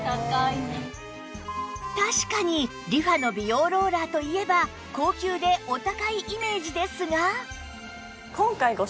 確かに ＲｅＦａ の美容ローラーといえば高級でお高いイメージですが